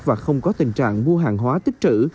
và không có tình trạng mua hàng hóa tích trữ